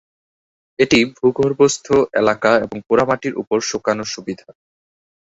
এটি ভূগর্ভস্থ এলাকা এবং পোড়ামাটির উপর শুকানোর সুবিধা।